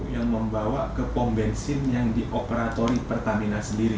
yang membawa ke pom bensin yang dioperatori pertamina sendiri